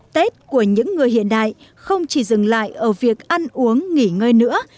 tết của những người hiện đại không chỉ dừng lại ở việc ăn uống nghỉ ngơi nữa